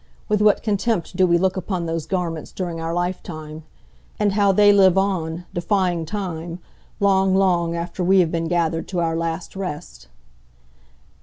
With what contempt do we look upon those garments during our lifetime! And how they live on, defying time, long, long after we have been gathered to our last rest.